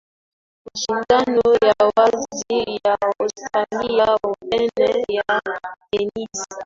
mashindano ya wazi ya australia open ya tennis